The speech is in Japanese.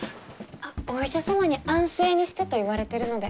お医者様に安静にしてと言われてるので。